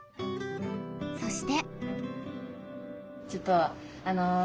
そして。